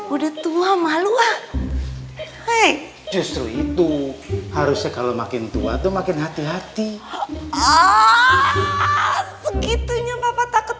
udah tua malu ah hai justru itu harusnya kalau makin tua tuh makin hati hati segitunya papa takut